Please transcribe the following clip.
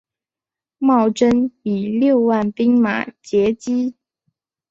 茂贞以六万兵马截击。